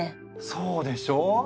そうでしょう？